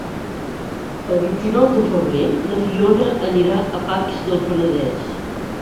El vint-i-nou de febrer na Fiona anirà a Pacs del Penedès.